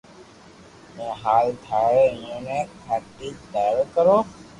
۾ ھال ٿاري ايويي خاتر دارو ڪرو